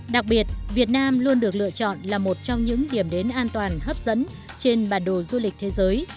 đặc biệt việt nam luôn được lựa chọn là một trong những điểm đến an toàn hấp dẫn trên bản đồ du lịch thế giới